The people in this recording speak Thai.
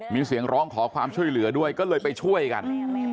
มีเสียงร้องขอความช่วยเหลือด้วยก็เลยไปช่วยกัน